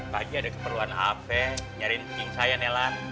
pagi ada keperluan afe nyariin cik saya nelan